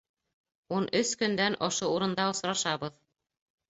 Ун өс көндән ошо урында осрашабыҙ!